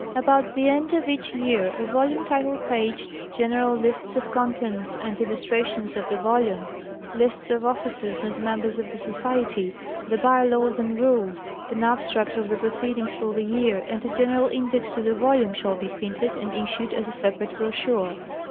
About the end of each year a volume title page, gen eral lists of contents and illustrations of the volume, lsts of officers and members of the Society, the by laws and rules, an abstract of the proceedings for the year, and a general index to the volume shall be printed and issued as a separate brochure.